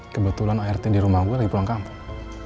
kebetulan art di rumah gue lagi pulang kampung